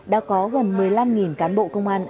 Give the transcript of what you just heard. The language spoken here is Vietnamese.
đã có gần một mươi năm cán bộ công an